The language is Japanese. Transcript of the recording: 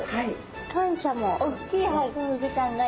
感謝もおっきいハコフグちゃんがいる。